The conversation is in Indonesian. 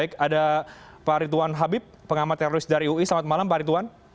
baik ada pak ridwan habib pengamat teroris dari ui selamat malam pak ritwan